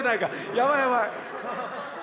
やばいやばい！